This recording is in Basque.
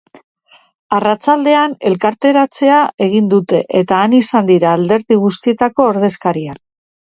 Arratsaldean, elkarretaratzea egin dute, eta han izan dira alderdi guztietako ordezkariak.